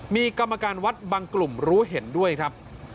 มีกรรมการวัดบางกลุ่มรู้เห็นด้วยครับ